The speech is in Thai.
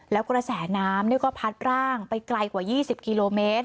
แล้วกระแสน้ำก็พัดร่างไปไกลกว่า๒๐กิโลเมตร